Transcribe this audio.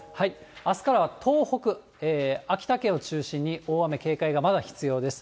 あすからは東北、秋田県を中心に、大雨警戒がまだ必要です。